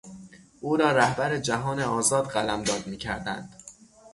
او را رهبر جهان آزاد قلمداد میکردند.